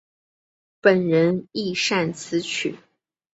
本人亦擅词曲。